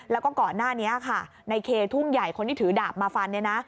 แล้วก็ก่อนหน้านี้ค่ะในเคทุ่งใหญ่คนที่ถือดาบมาฟัน